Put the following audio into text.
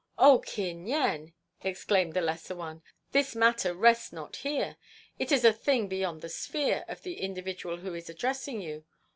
"O Kin Yen," exclaimed the lesser one, "this matter rests not here. It is a thing beyond the sphere of the individual who is addressing you.